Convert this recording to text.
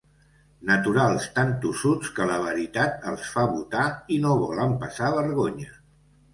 Naturals tan tossuts que la veritat els fa botar i no volen passar vergonya.